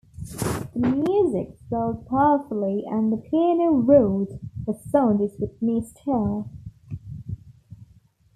The music swelled powerfully and the piano roared... the sound is with me still.